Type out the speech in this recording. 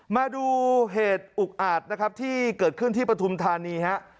มาดูเหตุอุกอาจนะครับที่เกิดขึ้นที่ปฐุมธานีฮะ